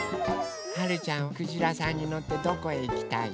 はるちゃんはくじらさんにのってどこへいきたい？